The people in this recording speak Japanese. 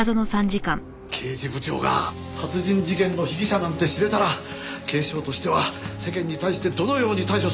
刑事部長が殺人事件の被疑者なんて知れたら警視庁としては世間に対してどのように対処すればいいのか。